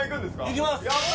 行きます。